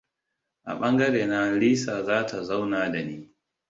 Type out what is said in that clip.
A bangare na Lisa za ta zauna da ni.